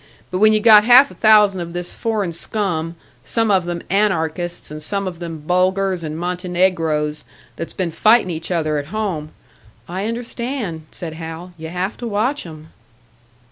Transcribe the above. But when you got half a thousand of this foreign scum, some of them Anarchists, and some of them Bulgars and Montynegroes that's been fightin' each other at home " "I understand," said Hal. "You have to watch 'em."